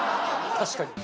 確かに。